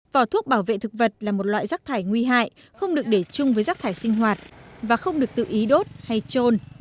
vỏ thuốc bảo vệ thực vật là một loại rác thải nguy hại không được để chung với rác thải sinh hoạt và không được tự ý đốt hay trôn